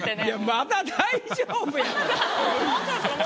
まだ大丈夫やろ。